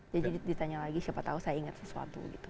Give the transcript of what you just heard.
jadi ditanya lagi siapa tahu saya ingat sesuatu gitu